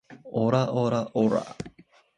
オラオラオラァ